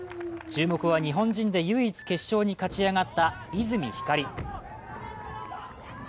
注目は日本人で唯一決勝に勝ち上がった泉ひかり。